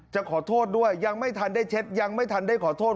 จะขอโทษด้วยยังไม่ทันได้เช็ดยังไม่ทันได้ขอโทษ